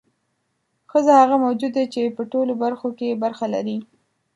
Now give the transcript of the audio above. ښځه هغه موجود دی چې په ټولو برخو کې برخه لري.